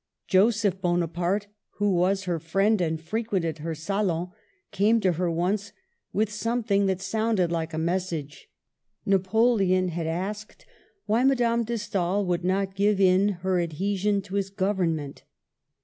Joseph Bonaparte, who was her friend and fre quented her salon, came to her once with some thing that sounded like a message. Napoleon had asked why Madame de Stael would not give in her adhesion to his Government.